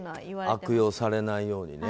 悪用されないようにね。